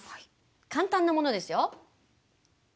簡単なものですよ。